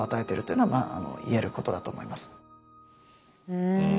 うん。